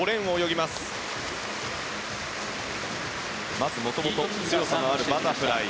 まず、もともと強さのあるバタフライ。